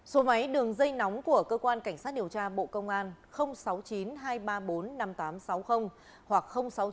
số máy đường dây nóng của cơ quan cảnh sát điều tra bộ công an sáu mươi chín hai trăm ba mươi bốn năm nghìn tám trăm sáu mươi hoặc sáu mươi chín hai trăm ba mươi một một nghìn sáu trăm